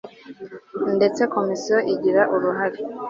ndetse komisiyo igira uruhare